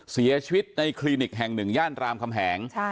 เสียชีวิตในคลินิกแห่งหนึ่งย่านรามคำแหง